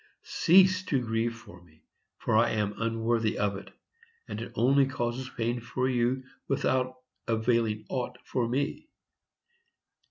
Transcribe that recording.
Cease to grieve for me, for I am unworthy of it; and it only causes pain for you, without availing aught for me....